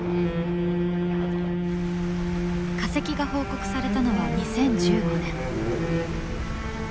化石が報告されたのは２０１５年。